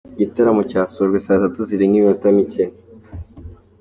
Igitaramo cyasojwe saa tatu zirengaho iminota mike.